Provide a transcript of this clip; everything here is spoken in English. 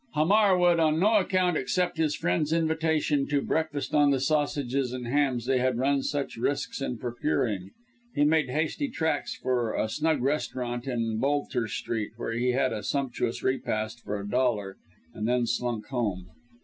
Hamar would on no account accept his friends' invitation to breakfast on the sausages and ham they had run such risks in procuring; he made hasty tracks for a snug restaurant in Bolter's Street, where he had a sumptuous repast for a dollar; and then slunk home.